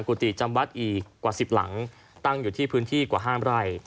กติจำวัดอีกกว่า๑๐หลังตั้งอยู่ที่พื้นที่กว่าห้ามไร่